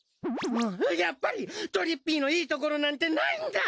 やっぱりとりっぴいのいいところなんてないんだ！